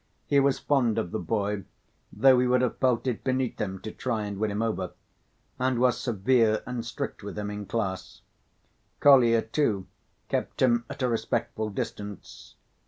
He was fond of the boy, though he would have felt it beneath him to try and win him over, and was severe and strict with him in class. Kolya, too, kept him at a respectful distance.